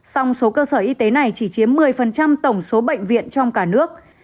song số cơ sở y tế này chỉ chiếm một mươi tổng số bệnh viện trong cả nước